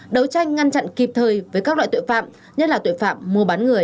đấu tranh ngăn chặn kịp thời với các loại tội phạm nhất là tội phạm mua bán người